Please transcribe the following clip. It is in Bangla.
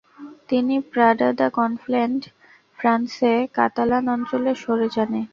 তিনি প্রাডা দ্য কনফ্লেন্ট, ফ্রান্সে কাতালান-অঞ্চলে সরে যানে।